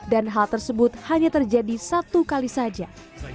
dan hal tersebut hanya terjadi satu kali saja